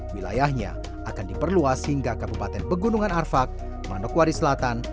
wilayahnya akan diperluas hingga kabupaten pegunungan arfak manokwari selatan